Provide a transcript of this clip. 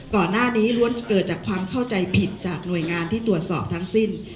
ก่อนหน้านี้ล้วนเกิดจากความเข้าใจผิดจากหน่วยงานที่ตรวจสอบทั้งสิ้น